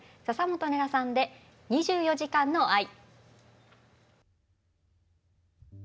笹本玲奈さんで「２４時間の愛」。